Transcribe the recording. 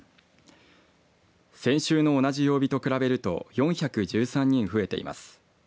先週の同じ曜日と比べると４１３人増えています。